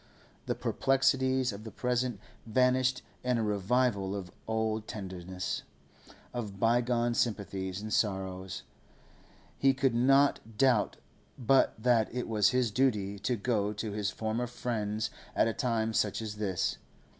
The perplexities of the present vanished in a revival of old tenderness, of bygone sympathies and sorrows. He could not doubt but that it was his duty to go to his former friends at a time such as this.